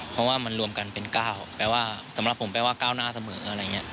เพราะว่ามันรวมกันเป็น๙แปลว่าสำหรับผมแปลว่าก้าวหน้าเสมออะไรอย่างนี้